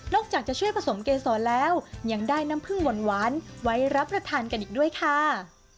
จากจะช่วยผสมเกษรแล้วยังได้น้ำผึ้งหวานไว้รับประทานกันอีกด้วยค่ะ